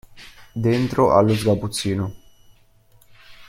Dentro allo sgabuzzino.